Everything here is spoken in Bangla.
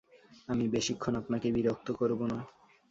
আমি বেশিক্ষণ আপনাকে বিরক্ত করব না।